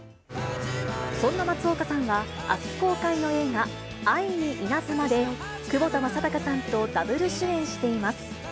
そんな松岡さんは、あす公開の映画、愛にイナズマで、窪田正孝さんとダブル主演しています。